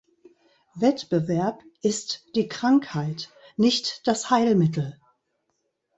Wettbewerb ist die Krankheit, nicht das Heilmittel.